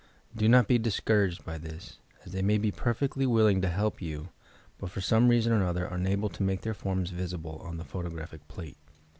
Do not be discouraged by this, as they may be perfectly willing to help you, but for some rea son or other are unable to make their forms visible on the photographic plate.